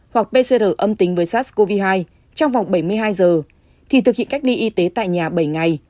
hoặc pcr âm tính với sars cov hai trong vòng bảy mươi hai giờ thì thực hiện cách ly y tế tại nhà bảy ngày